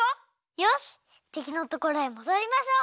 よしてきのところへもどりましょう！